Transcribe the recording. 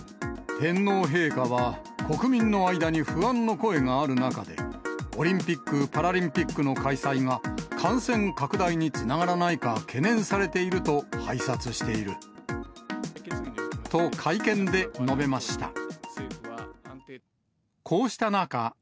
天皇陛下は国民の間に不安の声がある中で、オリンピック・パラリンピックの開催が感染拡大につながらないかと、会見で述べました。